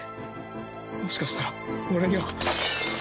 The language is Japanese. もしかしたら俺には。